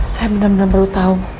saya benar benar baru tahu